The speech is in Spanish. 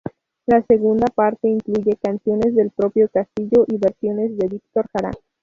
La segunda parte incluye canciones del propio Castillo y versiones de Víctor Jara.